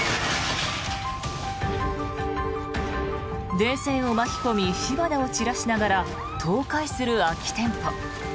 電線を巻き込み火花を散らしながら倒壊する空き店舗。